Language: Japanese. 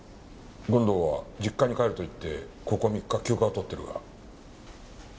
権藤は実家に帰るといってここ３日休暇を取ってるが。